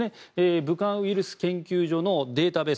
武漢ウイルス研究所のデータベース